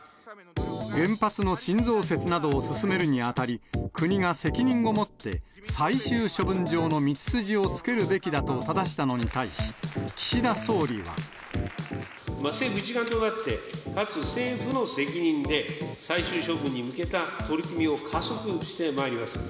原発の新増設などを進めるにあたり、国が責任を持って最終処分場の道筋をつけるべきだとただしたのに政府一丸となって、かつ政府の責任で、最終処分に向けた取り組みを加速してまいります。